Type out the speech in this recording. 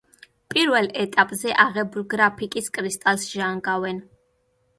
პირველ ეტაპზე აღებულ გრაფიტის კრისტალს ჟანგავენ.